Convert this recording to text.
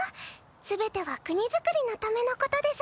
全ては国づくりのためのことです。